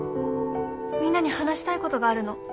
みんなに話したいことがあるの。